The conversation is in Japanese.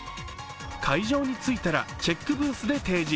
会場に着いたらチェックブースで提示。